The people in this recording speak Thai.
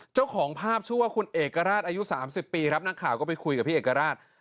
เจ้าของภาพชื่อว่าคุณเอกราชอายุ๓๐ปีครับนักข่าวก็ไปคุยกับพี่เอกราช